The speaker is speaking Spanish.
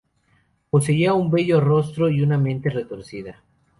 Poseía un bello rostro y una mente retorcida.